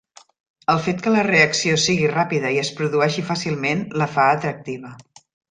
El fet que la reacció sigui ràpida i es produeixi fàcilment la fa atractiva.